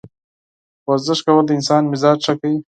ورزش کول د انسان مزاج ښه کوي.